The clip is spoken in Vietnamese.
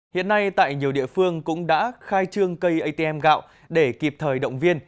hiện nay tại nhiều địa phương cũng đã khai trương cây atm gạo để kịp thời động viên